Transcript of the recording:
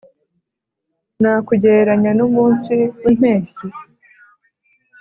nakugereranya n'umunsi w'impeshyi?